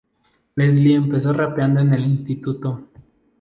Leslie empezó rapeando en el instituto.